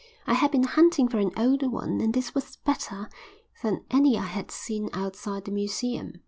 I had been hunting for an old one and this was better than any I had seen outside the museum.